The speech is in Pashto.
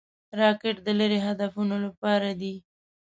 راکټ د لیرې هدفونو لپاره دی